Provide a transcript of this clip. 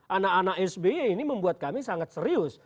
anak anak sby ini membuat kami sangat serius